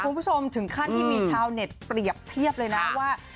คุณผู้ชมถึงขั้นที่มีชาวเน็ตเปรียบเทียบเลยนะว่า